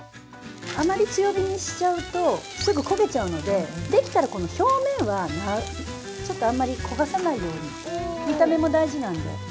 あまり強火にしちゃうとすぐ焦げちゃうので、できたら表面はあまり焦がさないように、見た目も大事なんで。